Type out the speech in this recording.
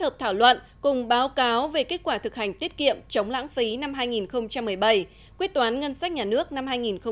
báo cáo về kết quả thực hành tiết kiệm chống lãng phí năm hai nghìn một mươi bảy quyết toán ngân sách nhà nước năm hai nghìn một mươi sáu